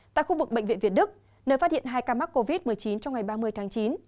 tại khu vực bệnh viện việt đức nơi phát hiện hai ca mắc covid một mươi chín trong ngày ba mươi tháng chín